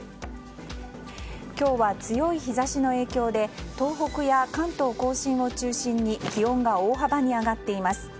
今日は強い日差しの影響で東北や関東・甲信を中心に気温が大幅に上がっています。